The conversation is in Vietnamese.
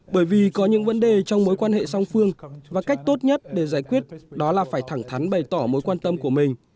bởi vì có những vấn đề trong mối quan hệ song phương và cách tốt nhất để giải quyết đó là phải thẳng thắn bày tỏ mối quan tâm của mình